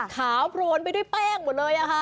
ขาวพรวนไปด้วยแป้งหมดเลยค่ะ